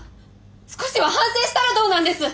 少しは反省したらどうなんです！